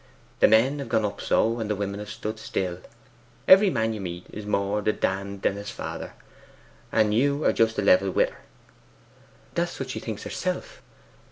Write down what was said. The men have gone up so, and the women have stood still. Every man you meet is more the dand than his father; and you are just level wi' her.' 'That's what she thinks herself.